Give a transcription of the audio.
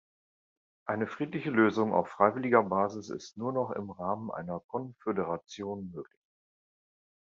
Eine friedliche Lösung auf freiwilliger Basis ist nur noch im Rahmen einer Konföderation möglich.